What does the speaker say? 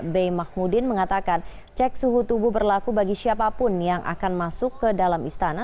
b mahmudin mengatakan cek suhu tubuh berlaku bagi siapapun yang akan masuk ke dalam istana